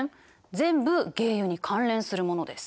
全部鯨油に関連するものです。